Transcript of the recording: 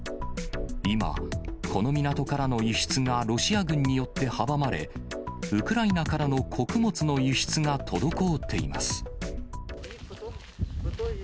今、この港からの輸出がロシア軍によって阻まれ、ウクライナからの穀物の輸出が滞っています。